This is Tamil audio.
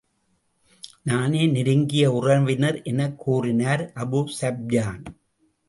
நானே நெருங்கிய உறவினர் எனக் கூறினார் அபூ ஸூப்யான்.